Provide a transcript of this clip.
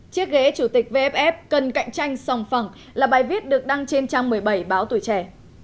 chiếc ghế chủ tịch vff cần cạnh tranh sòng phẳng là bài viết được đăng trên trang một mươi bảy báo tuổi trẻ